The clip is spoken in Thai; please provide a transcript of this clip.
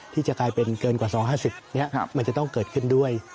ที่จะกลายเป็นเกินกว่า๒๕๐นี้มันจะต้องเกิดขึ้นด้วย